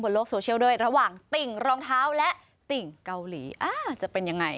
โลกโซเชียลด้วยระหว่างติ่งรองเท้าและติ่งเกาหลีจะเป็นยังไง